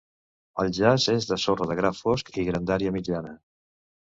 El jaç és de sorra de gra fosc i grandària mitjana.